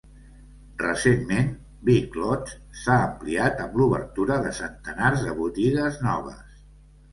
Recentment, Big Lots s'ha ampliat amb l'obertura de centenars de botigues noves.